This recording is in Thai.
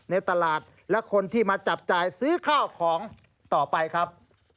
ในตลาดและคนที่มาจับจ่ายซื้อข้าวของต่อไปครับ